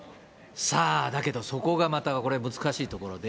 さあ、だけどそこがまたこれ、難しいところで。